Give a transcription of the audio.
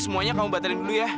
semuanya kamu batalin dulu ya